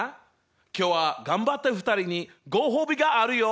今日は頑張った２人にご褒美があるよ。